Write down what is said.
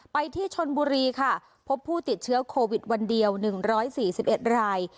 ไปที่ชนบุรีค่ะพบผู้ติดเชื้อโควิดวันเดียว๑๔๑ราย